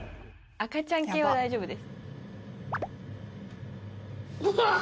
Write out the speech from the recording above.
赤ちゃん系は大丈夫です。